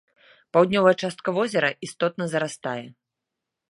Паўднёвая частка возера істотна зарастае.